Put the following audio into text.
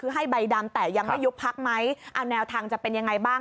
คือให้ใบดำแต่ยังไม่ยุบพักไหมเอาแนวทางจะเป็นยังไงบ้าง